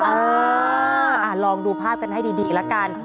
เออลองดูภาพกันให้ดีละกัน